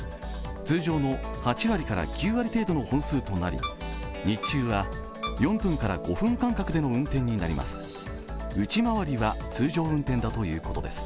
通常の８割から９割程度の本数となり日中は、４分から５分間隔での運転になります。